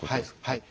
はい。